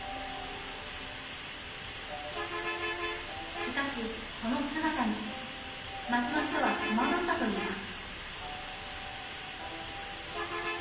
しかしその姿に街の人は戸惑ったといいます。